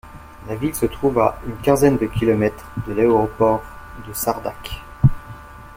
La Ville se trouve à une quinzaine de kilomètres de l'Aéroport de Çardak.